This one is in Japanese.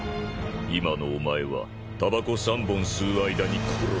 今のお前はたばこ３本吸う間に殺せる。